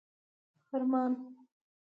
فرمان